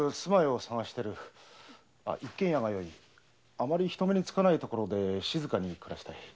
あまり人目につかない所で静かに暮らしたい。